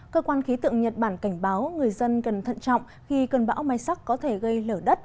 cơ quan khí tượng nhật bản cảnh báo người dân cần thận trọng khi cơn bão mai sắc có thể gây lở đất